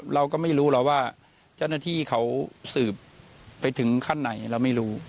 เราก็ไม่รู้หรอกว่าเจ้าหน้าที่เขาสืบไปถึงขั้นไหนเราไม่รู้